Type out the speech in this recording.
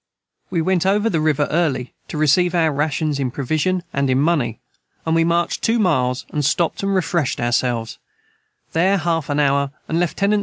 We went over the River Early to receive our rations in provision and in money and we marched 2 Miles and stoped and refreshed ourselves their half an hour and Lieut.